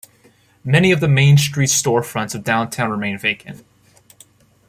Many of the Main Street's storefronts of downtown remain vacant.